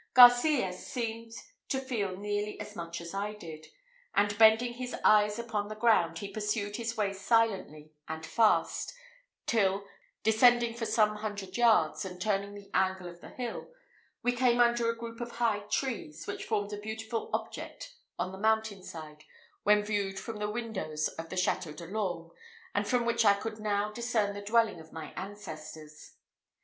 Garcias seemed to feel nearly as much as I did; and bending his eyes upon the ground, he pursued his way silently and fast, till, descending for some hundred yards, and turning the angle of the hill, we came under a group of high trees, which formed a beautiful object on the mountain side when viewed from the windows of the Château de l'Orme, and from which I could now discern the dwelling of my ancestors.